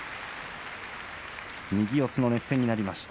右四つの熱戦になりました。